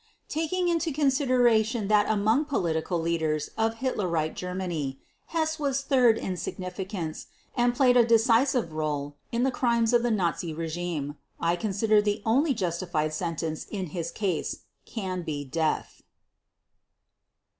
Taking into consideration that among political leaders of Hitlerite Germany Hess was third in significance and played a decisive role in the crimes of the Nazi regime, I consider the only justified sentence in his case can be death.